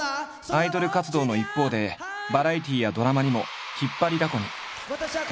アイドル活動の一方でバラエティーやドラマにも引っ張りだこに。